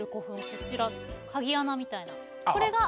こちら鍵穴みたいなこれが。